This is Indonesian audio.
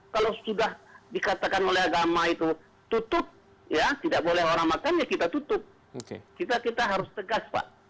kalau sudah dikatakan oleh agama itu tutup ya tidak boleh orang makan ya kita tutup kita harus tegas pak